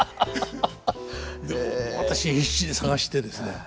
私必死に探してですね